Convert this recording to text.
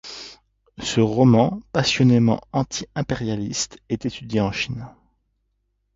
Ce roman passionnément anti-impérialiste est étudié en Chine.